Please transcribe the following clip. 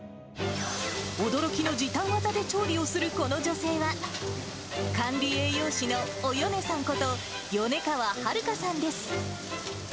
驚きの時短技で調理をするこの女性は、管理栄養士のおよねさんこと米川春香さんです。